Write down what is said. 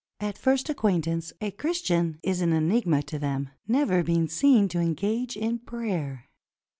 At first acquaintance a Christian is an enigma to them, never being seen to engage in prayer.